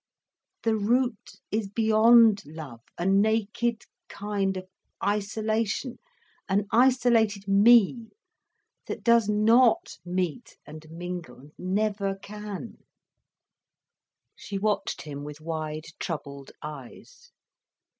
The root is beyond love, a naked kind of isolation, an isolated me, that does not meet and mingle, and never can." She watched him with wide, troubled eyes.